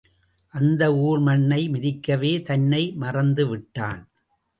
அந்த ஊர் மண்ணை மிதிக்கவே தன்னை மறந்துவிட்டான்.